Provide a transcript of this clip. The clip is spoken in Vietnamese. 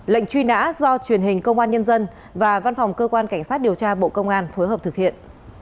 lệnh truy nã do truyền hình công an nhân dân và văn phòng cơ quan cảnh sát điều tra bộ công an phối hợp thực hiện